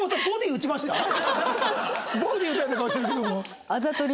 ボディー打たれた顔してるけども。